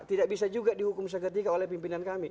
tidak bisa juga dihukum seketika oleh pimpinan kami